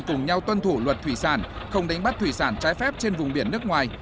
cùng nhau tuân thủ luật thủy sản không đánh bắt thủy sản trái phép trên vùng biển nước ngoài